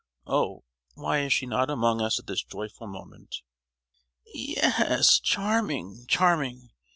Oh, why is she not among us at this joyful moment!" "Ye—yes; charming—charming!